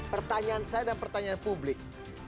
pertanyaan saya dan pertanyaan publik